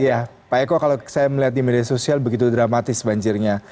iya pak eko kalau saya melihat di media sosial begitu dramatis banjirnya